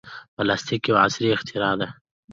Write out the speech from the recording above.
پلاستيک یو عصري اختراع ده.